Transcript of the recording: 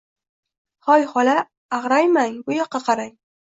Hoy, xola, ag’raymang, buyoqqa qarang